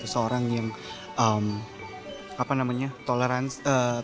seorang yang toleransi